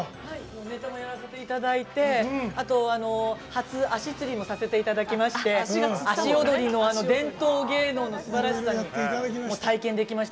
ネタもやらせていただいて初足つりもさせていただいて足踊りの伝統芸能のすばらしさを体験できました。